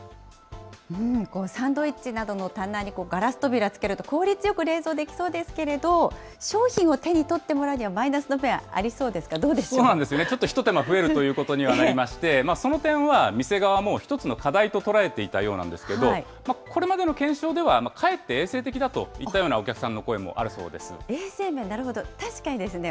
サンドイッチなどの棚にガラス扉つけると効率よく冷蔵できそうですけれども、商品を手に取ってもらうにはマイナスの面ありそうですか、どうでそうなんですよね、ちょっとひと手間増えるということになりまして、その点は店側も一つの課題と捉えていたようなんですけれども、これまでの検証では、かえって衛生的だといったようなお客さんの声もあるそうです。